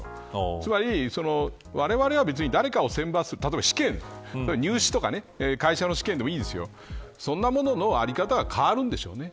つまりわれわれは別に誰かを選抜する試験や入試とか、会社の試験そんなものの在り方が変わるんでしょうね。